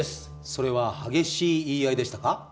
それは激しい言い合いでしたか？